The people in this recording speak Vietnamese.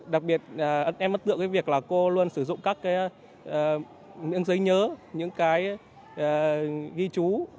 đặc biệt em mất tượng cái việc là cô luôn sử dụng các cái miếng giấy nhớ những cái ghi chú